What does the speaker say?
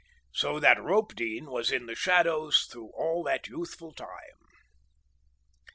So that Ropedean was in the shadows through all that youthful time.